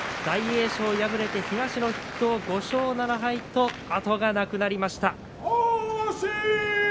大栄翔、敗れて東の筆頭５勝７敗と後がなくなりました。